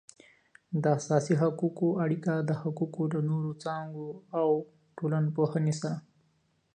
د اساسي حقوقو اړیکه د حقوقو له نورو څانګو او ټولنپوهنې سره